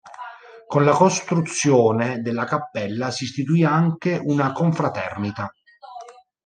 Con la costruzione della cappella si istituì anche una confraternita.